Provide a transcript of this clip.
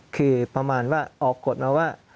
คือประมาณว่าออกกฎมาว่า